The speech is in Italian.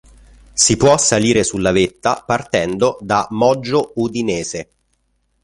Si può salire sulla vetta partendo da Moggio Udinese.